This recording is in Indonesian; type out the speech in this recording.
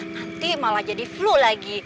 nanti malah jadi flu lagi